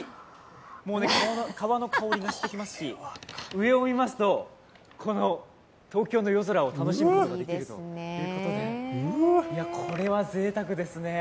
革の香りがしてきますし、上を見ますと、この東京の夜空を楽しむことができるということで、これはぜいたくですね。